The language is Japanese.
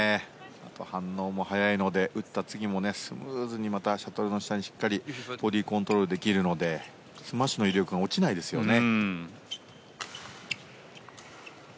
反応も早いので打った次も、スムーズにシャトルの下にしっかりボディーコントロールできるのでスマッシュの威力が落ちないですよね。